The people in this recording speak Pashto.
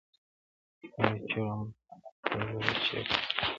نه یوه چېغه مستانه سته زه به چیري ځمه؛